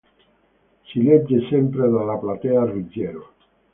Si legge sempre dalla Platea Ruggiero.